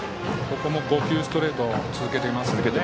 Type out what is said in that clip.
ここも５球ストレート続けています。